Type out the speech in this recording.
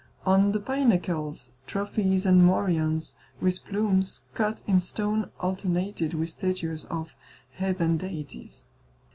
On the pinnacles, trophies and morions with plumes cut in stone alternated with statues of heathen deities.